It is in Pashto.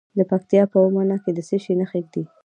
د پکتیکا په اومنه کې د څه شي نښې دي؟